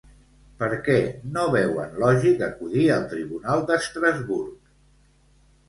Per què no veuen lògic acudir al Tribunal d'Estrasburg?